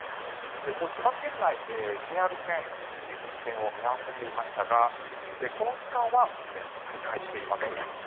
千葉県内、ＪＲ線一時運転を見合わせていましたがこの時間は運転再開しています。